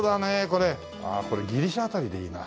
ああこれギリシャ辺りでいいな。